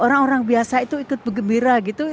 orang orang biasa itu ikut bergembira gitu